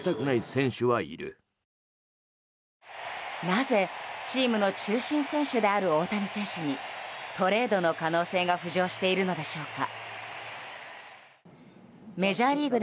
なぜチームの中心選手である大谷選手にトレードの可能性が浮上しているのでしょうか。